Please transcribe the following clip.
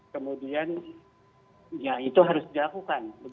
kemudian ya itu harus dilakukan